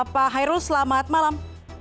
pak hairul selamat malam